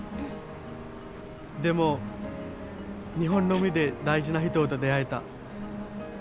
でも、日本の海で大事な人と出会えた。